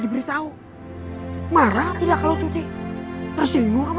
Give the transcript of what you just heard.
ya marah lah opa ustadz